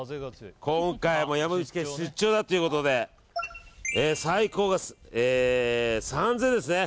今回も山口県に出張ということで最高が３０００円ですね。